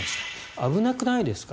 危なくないですか？